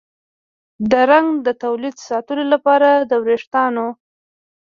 د رنګ د تولید ساتلو لپاره د ویښتانو